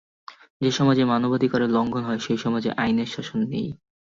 যে সমাজে মানবাধিকারের লঙ্ঘন হয়, সে সমাজে আইনের শাসন নেই।